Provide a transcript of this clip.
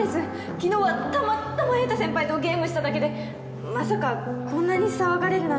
昨日はたまたま瑛太先輩とゲームしただけでまさかこんなに騒がれるなんて。